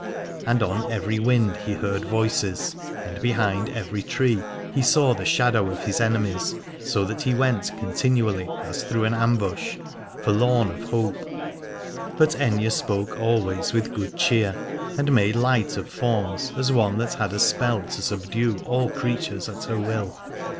And on every wind he heard voices, and behind every tree he saw the shadow of his enemies, so that he went continually as through an ambush, forlorn of hope. But 214 Alad ore Aithne spoke always with good cheer, and made light of fauns, as one that had a spell to subdue all creatures at her will.